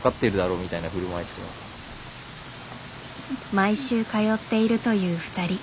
毎週通っているという２人。